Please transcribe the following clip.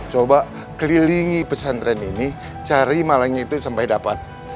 coba kelilingi pesantren ini cari malangnya itu sampai dapat